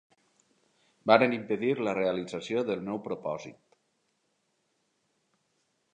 Varen impedir la realització del meu propòsit.